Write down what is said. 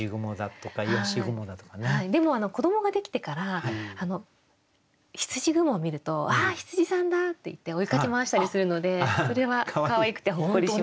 でも子どもができてからひつじ雲を見ると「あっ！羊さんだ！」って言って追いかけ回したりするのでそれはかわいくてほっこりします。